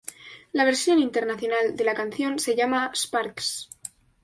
La versión internacional de la canción se llama "Sparks".